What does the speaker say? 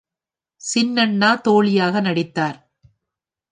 சின்னண்ணா தோழியாக நடித்தார்.